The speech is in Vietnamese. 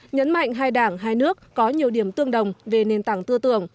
nhấn mạnh hai đảng hai nước có nhiều điểm tương đồng về nền tảng tư tưởng